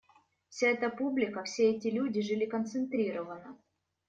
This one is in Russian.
Вся эта публика, все эти люди жили концентрированно.